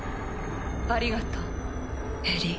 ありがとうエリィ。